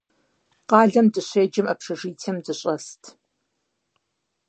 Къалэм дыщеджэм общежитием дыщӏэст.